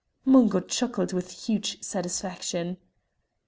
Mungo chuckled with huge satisfaction.